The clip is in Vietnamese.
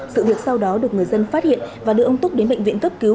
sự việc sau đó được người dân phát hiện và đưa ông túc đến bệnh viện cấp cứu